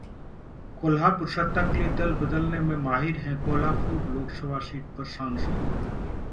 Kolhapur: सत्ता के लिए दल बदलने में माहिर हैं कोल्हापुर लोकसभा सीट पर सांसद